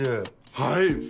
はい！